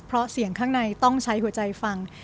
เพราะเสียงข้างในต้องใช้หัวใจฟัง